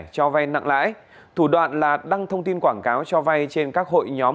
cho vay nặng lãi thủ đoạn là đăng thông tin quảng cáo cho vay trên các hội nhóm